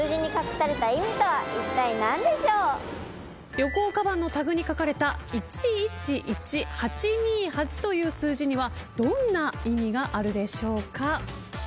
旅行かばんのタグに書かれた「１１１８２８」という数字にはどんな意味があるでしょうか？